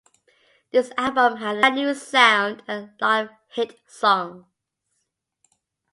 This album had a brand-new sound and a lot of hit songs.